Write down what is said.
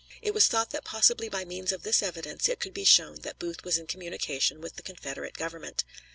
It was thought that possibly by means of this evidence it could be shown that Booth was in communication with the Confederate Government.